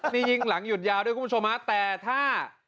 นี่ยิ่งหลังหยุดยาวด้วยคุณผู้ชมฮะแต่ถ้า